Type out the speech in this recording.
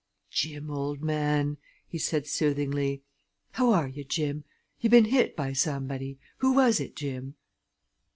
"Jim, old man!" he said soothingly. "How are yer, Jim? Yer been hit by somebody. Who was it, Jim?"